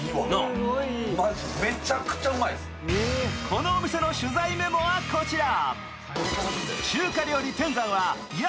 このお店の取材メモはこちら。